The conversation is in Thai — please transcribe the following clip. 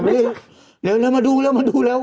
มันขมไหม